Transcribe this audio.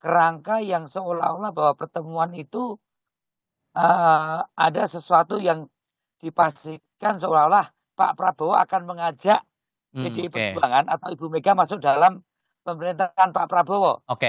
rangka yang seolah olah bahwa pertemuan itu ada sesuatu yang dipastikan seolah olah pak prabowo akan mengajak pdi perjuangan atau ibu mega masuk dalam pemerintahan pak prabowo